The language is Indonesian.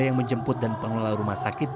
yang menjemput dan pengelola rumah sakit